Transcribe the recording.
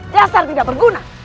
dasar tidak berguna